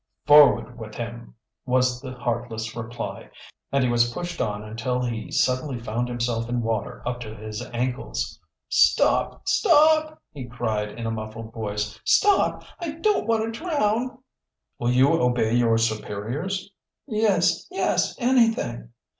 "Forward with him!" was the heartless reply, and he was pushed on until he suddenly found himself in water up to his ankles. "Stop! stop!" he cried, in a muffled voice. "Stop! I don't want to drown!" "Will you obey your superiors?" "Yes, yes anything!"